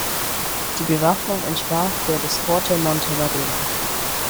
Die Bewaffnung entsprach der des Forte Monte Verena.